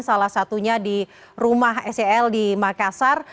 salah satunya di rumah sel di makassar